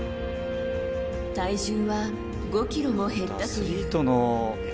体重は５ｋｇも減ったという。